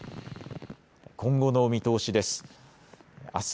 今後の見通しです。